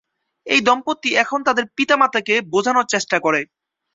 এই দম্পতি এখন তাদের পিতামাতাকে বোঝানোর চেষ্টা করে।